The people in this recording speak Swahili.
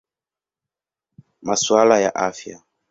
Masuala ya Afya.